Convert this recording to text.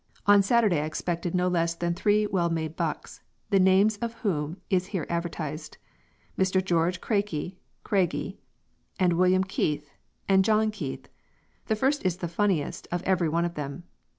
On Saturday I expected no less than three well made Bucks the names of whom is here advertised. Mr. Geo. Crakey [Craigie], and Wm. Keith and Jn. Keith the first is the funniest of every one of them.